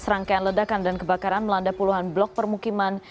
serangkaian ledakan dan kebakaran melanda puluhan blok permukiman